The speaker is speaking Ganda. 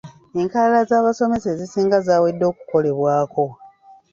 Enkalala z'abasomesa ezisinga zaawedde okukolebwako.